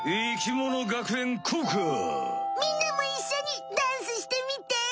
みんなもいっしょにダンスしてみて！